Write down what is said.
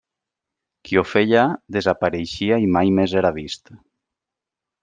Qui ho feia, desapareixia i mai més era vist.